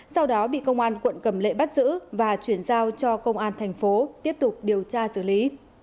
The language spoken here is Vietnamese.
sau đó bị công an quận cầm lệ bắt giữ và chuyển giao cho công an thành phố tiếp tục điều tra xử lý